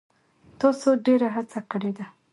تاسو ډیره هڅه کړې ده.